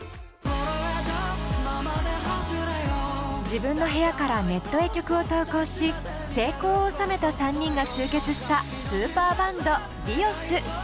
自分の部屋からネットへ曲を投稿し成功をおさめた３人が集結したスーパーバンドＤｉｏｓ。